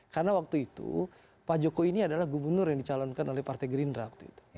karena waktu itu pak jokowi ini adalah gubernur yang dicalonkan oleh partai gerindra waktu itu